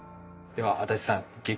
では足立さん激